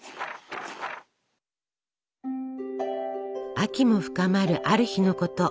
秋も深まるある日のこと。